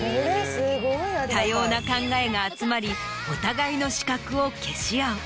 多様な考えが集まりお互いの死角を消し合う。